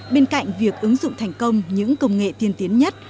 bên cạnh việc ứng dụng thành công những công nghệ tiên tiến nhất